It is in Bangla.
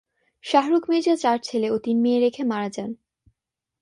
শাহরুখ মির্জা চার ছেলে ও তিন মেয়ে রেখে মারা যান।